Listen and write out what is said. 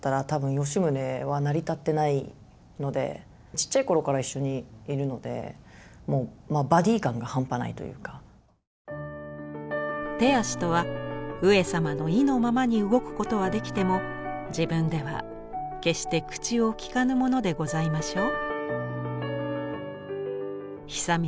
ちっちゃい頃から一緒にいるので「手足とは上様の意のままに動く事はできても自分では決して口をきかぬものでございましょう？」。